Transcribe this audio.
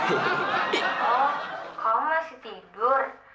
oh kamu masih tidur